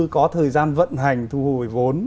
có thời gian vận hành thu hồi vốn